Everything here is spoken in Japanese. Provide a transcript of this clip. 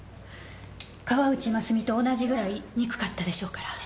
河内ますみと同じぐらい憎かったでしょうから。